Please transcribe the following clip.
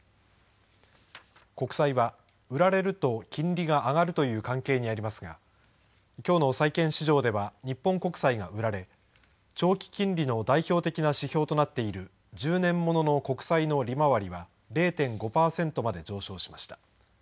国債は売られると金利が上がるという関係にありますがきょうの債券市場では日本国債が売られ長期金利の代表的な指標となっている１０年ものの国債の利回りは０．５パーセントまで上昇しました。